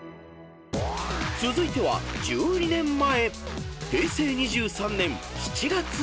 ［続いては１２年前］